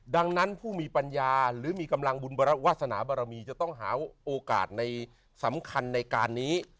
ดังนั้นผู้มีปัญญาหรือมีกำลังบุญวาสนาบารมีจะต้องหาโอกาสในสำคัญในการนี้